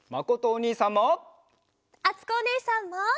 あつこおねえさんも。